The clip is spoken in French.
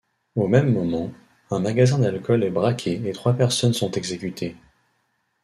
Au même moment, un magasin d'alcool est braqué et trois personnes sont exécutées.